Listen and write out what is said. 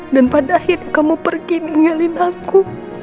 dan pada akhirnya kamu pergi ninggalin aku